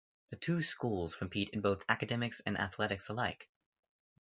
The two schools compete in both academics and athletics alike.